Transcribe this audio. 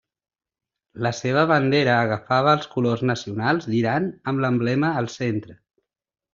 La seva bandera agafava els colors nacionals d'Iran amb l'emblema al centre.